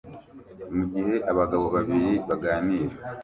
Mugihe abagabo babiri baganira